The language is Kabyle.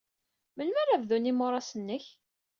Melmi ara bdun yimuras-nnek?